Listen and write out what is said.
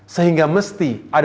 sehingga mesti memiliki perubahan